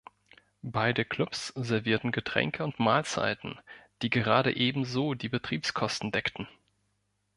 Beide Clubs servierten Getränke und Mahlzeiten, die gerade ebenso die Betriebskosten deckten.